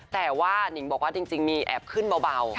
แต่ว่านิงบอกว่าจริงมีแอบขึ้นเบา